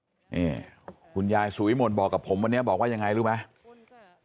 นี่คุณยายสุวิมลบอกกับผมวันนี้บอกว่ายังไงรู้ไหม